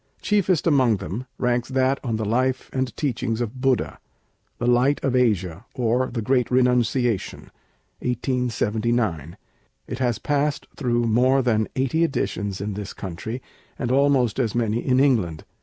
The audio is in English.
Chiefest among them ranks that on the life and teachings of Buddha, 'The Light of Asia; or, The Great Renunciation' (1879). It has passed through more than eighty editions in this country, and almost as many in England.